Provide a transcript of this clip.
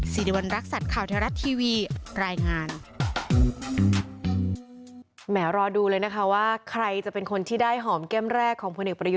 สิริวัณรักษัตริย์ข่าวแท้รัฐทีวีรายงาน